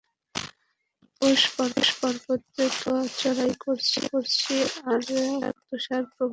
Alps পর্বতে খুব চড়াই করছি আর তুষারপ্রবাহ পার হচ্ছি।